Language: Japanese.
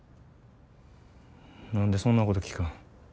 何でそんなこと聞くん。